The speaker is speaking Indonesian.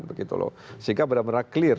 sehingga benar benar clear